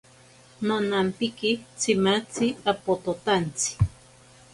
Nonampiki tsimatzi apototantsi.